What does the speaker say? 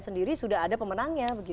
sendiri sudah ada pemenangnya